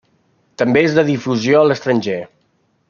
També és de difusió a l'estranger.